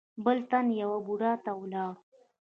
بل تن يوه بوډا ته ولاړ و.